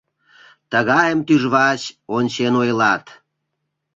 Тыгайым тӱжвач ончен ойлат.